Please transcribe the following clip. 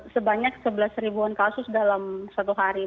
sebanyak sebelas ribuan kasus dalam satu hari